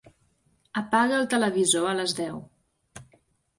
Apaga el televisor a les deu.